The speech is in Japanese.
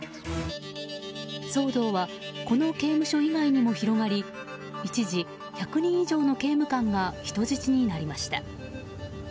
騒動はこの刑務所以外にも広がり一時、１００人以上の刑務官が人質になりました。